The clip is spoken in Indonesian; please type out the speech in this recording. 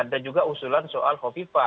ada juga usulan soal kofifa